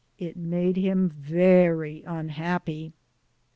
It made him very unhappy.